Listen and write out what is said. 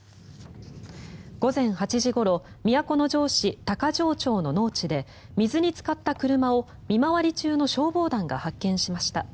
午前８時ごろ都城市高城町の農地で水につかった車を見回り中の消防団が発見しました。